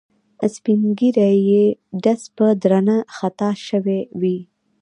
سپین ږیری یې ډز به درنه خطا شوی وي.